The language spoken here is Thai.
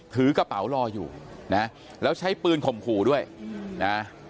ถือกระเป๋ารออยู่นะแล้วใช้ปืนข่มขู่ด้วยนะ